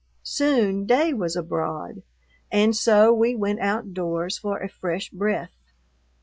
Soon day was abroad, and so we went outdoors for a fresh breath.